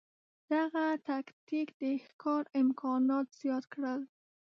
دغه تکتیک د ښکار امکانات زیات کړل.